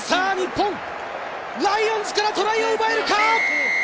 ライオンズからトライを奪えるか？